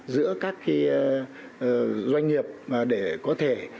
giữa các doanh nghiệp để có thể